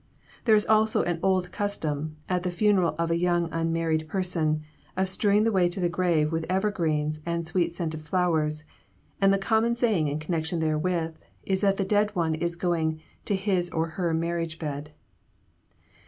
There is also an old custom, at the funeral of a young unmarried person, of strewing the way to the grave with evergreens and sweet scented flowers, and the common saying in connection therewith is that the dead one is going to his or her marriage bed.